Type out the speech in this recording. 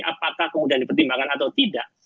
apakah kemudian dipertimbangkan atau tidak